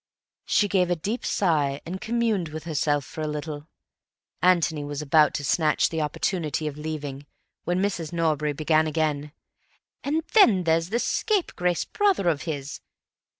She gave a deep sigh, and communed with herself for a little. Antony was about to snatch the opportunity of leaving, when Mrs. Norbury began again. "And then there's this scapegrace brother of his.